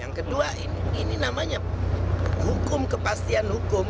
yang kedua ini namanya hukum kepastian hukum